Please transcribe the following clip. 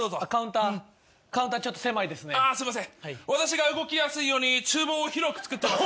私が動きやすいように厨房を広く造ってます。